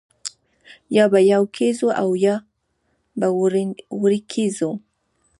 یا به یو کېږو او یا به ورکېږو